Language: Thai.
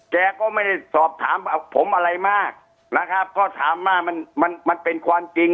แกก็ไม่ได้สอบถามผมอะไรมากนะครับก็ถามว่ามันมันมันเป็นความจริง